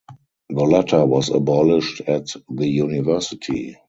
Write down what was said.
The latter was abolished at the university.